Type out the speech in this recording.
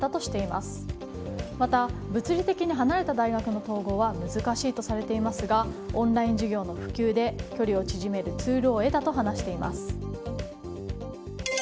また物理的に離れた大学の統合は難しいとされていますがオンライン授業の普及で距離を縮めるツールを得たと話しています。